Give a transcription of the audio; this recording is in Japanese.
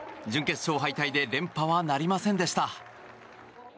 準決勝敗退で連覇はなりませんでした。